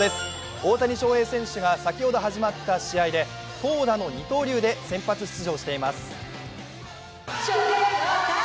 大谷翔平選手が先ほど始まった試合で投打の二刀流で先発出場しています。